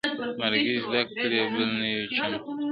مرګي زده کړی بل نوی چم دی-